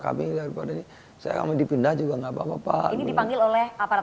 kami daripada ini saya kami dipindah juga nggak apa apa dipanggil oleh aparat